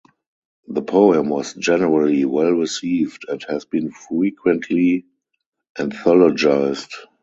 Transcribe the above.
The poem was generally well received and has been frequently anthologized.